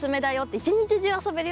一日中遊べるよ